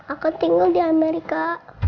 aku tinggal di amerika